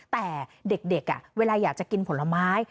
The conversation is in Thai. แต่เด็กเวลาอยากจะกินผลไม้